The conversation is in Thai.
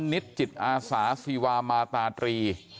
นิดจิตอาสาศิวามาตาตรี